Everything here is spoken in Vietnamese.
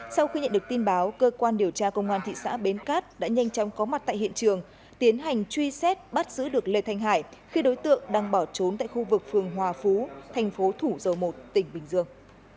sau khi nhận được tin báo cơ quan điều tra công an thị xã bến cát đã nhanh chóng có mặt tại hiện trường tiến hành truy xét bắt giữ được lê thanh hải khi đối tượng đang bỏ trốn tại khu vực phường hòa phú thành phố thủ dầu một tỉnh bình dương